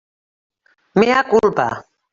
Mea culpa.